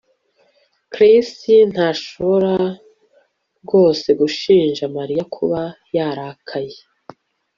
Chris ntashobora rwose gushinja Mariya kuba yarakaye